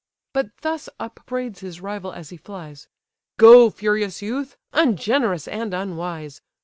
But thus upbraids his rival as he flies: "Go, furious youth! ungenerous and unwise!